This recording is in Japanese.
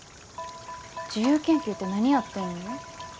自由研究って何やってんの？